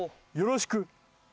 よろしく。